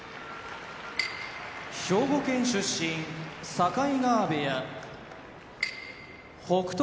兵庫県出身境川部屋北勝